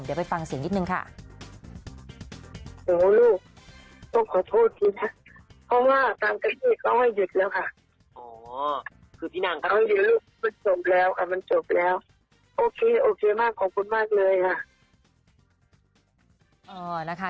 เดี๋ยวไปฟังเสียงนิดนึงค่ะ